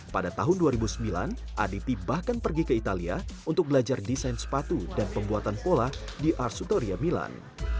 pada tahun dua ribu sembilan aditi bahkan pergi ke italia untuk belajar desain sepatu dan pembuatan pola di arsutoria milan